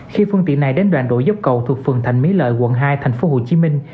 khi phương tiện này đến đoàn đội dốc cầu thuộc phường thành mỹ lợi quận hai thành phố hồ chí minh